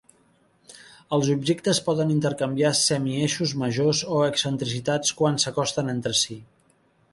Els objectes poden intercanviar semieixos majors o excentricitats quan s'acosten entre si.